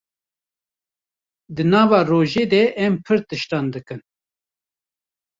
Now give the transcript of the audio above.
Di nava rojê de em pir tiştan dikin.